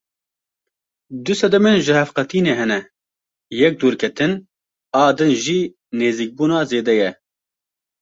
Du sedemên jihevqetînê hene yek dûrketin a din jî nêzîkbûna zêde ye.